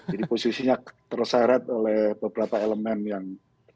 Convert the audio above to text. jadi posisinya terseret oleh beberapa elemen yang